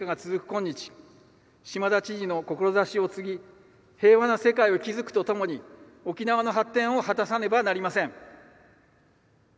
今日島田知事の志を継ぎ平和な世界を築くとともに沖縄の発展を果たさねばなりません。